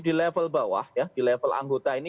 di level bawah ya di level anggota ini